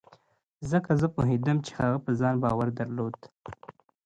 ځکه زه پوهېدم چې هغه په ځان باور درلود.